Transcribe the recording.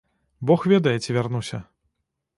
Бог ведае, ці вярнуся.